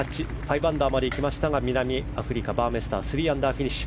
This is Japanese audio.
５アンダーまでいきましたが南アフリカ、バーメスターは３アンダーフィニッシュ。